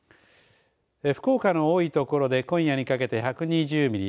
福岡の多いところで今夜にかけて１２０ミリ。